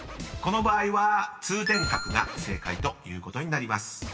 ［この場合は「通天閣」が正解ということになります］